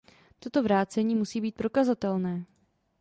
Toto vrácení musí být prokazatelné.